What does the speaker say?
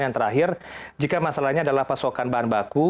yang terakhir jika masalahnya adalah pasokan bahan baku